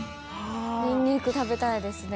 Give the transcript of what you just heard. ニンニク食べたいですね